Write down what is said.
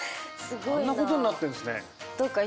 あんなことになってるんですね。